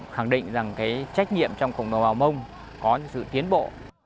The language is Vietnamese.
khẳng định rằng cái trách nhiệm trong cùng đồng bào mông có sự tiến bộ